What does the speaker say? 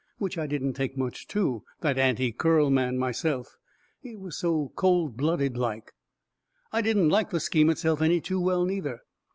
Which I didn't take much to that Anti Curl man myself; he was so cold blooded like. I didn't like the scheme itself any too well, neither.